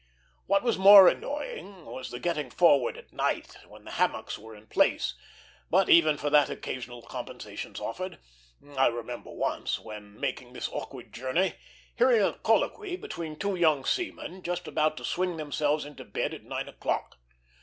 What was more annoying was the getting forward at night, when the hammocks were in place; but even for that occasional compensations offered. I remember once, when making this awkward journey, hearing a colloquy between two young seamen just about to swing themselves into bed at nine o'clock.